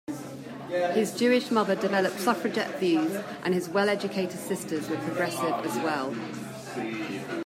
His Jewish mother developed suffragette views, and his well-educated sisters were progressive as well.